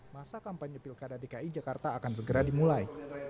masa kampanye pilkada dki jakarta akan segera dimulai